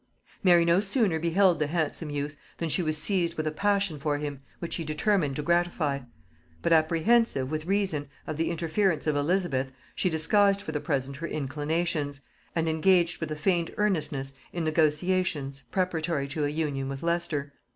Mary no sooner beheld the handsome youth than she was seized with a passion for him, which she determined to gratify: but apprehensive, with reason, of the interference of Elizabeth, she disguised for the present her inclinations, and engaged with a feigned earnestness in negotiations preparatory to an union with Leicester.